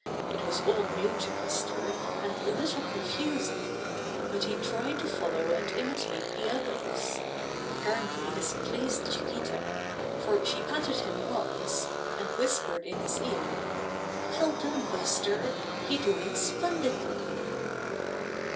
It was all new to Buster and a little confusing, but he tried to follow and imitate the others. Apparently this pleased Chiquita, for she patted him once, and whispered in his ear: ''Well done, Buster! You're doing splen didly!"